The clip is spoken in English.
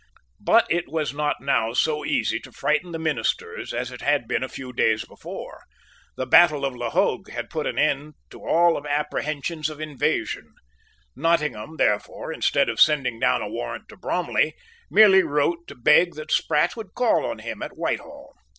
But it was not now so easy to frighten the ministers as it had been a few days before. The battle of La Hogue had put an end to all apprehensions of invasion. Nottingham, therefore, instead of sending down a warrant to Bromley, merely wrote to beg that Sprat would call on him at Whitehall.